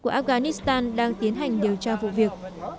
của afghanistan đang tiến hành điều tra vụ việc